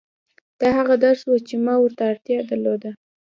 دا هغه درس و چې ما ورته اړتيا درلوده.